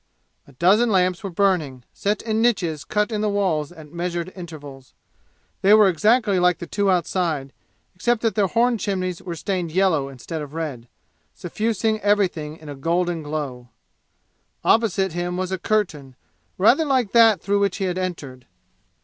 A dozen lamps were burning, set in niches cut in the walls at measured intervals. They were exactly like the two outside, except that their horn chimneys were stained yellow instead of red, suffusing everything in a golden glow. Opposite him was a curtain, rather like that through which he had entered.